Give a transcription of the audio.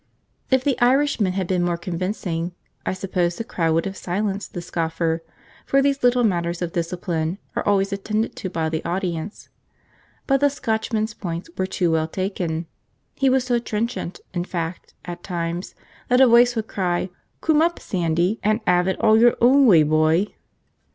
If the Irishman had been more convincing, I suppose the crowd would have silenced the scoffer, for these little matters of discipline are always attended to by the audience; but the Scotchman's points were too well taken; he was so trenchant, in fact, at times, that a voice would cry, 'Coom up, Sandy, an' 'ave it all your own w'y, boy!'